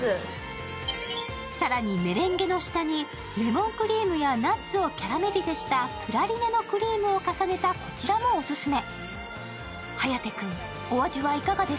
更にメレンゲの下にレモンクリームやナッツをキャラメリゼしたプラリネのクリームを重ねたこちらもオススメ。